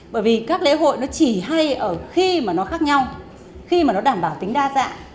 bởi vì các lễ hội nó chỉ hay ở khi mà nó khác nhau khi mà nó đảm bảo tính đa dạng